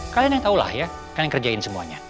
kalian yang tahu lah ya kalian kerjain semuanya